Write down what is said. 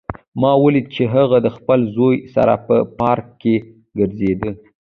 ما ولیدل چې هغه د خپل زوی سره په پارک کې ګرځېده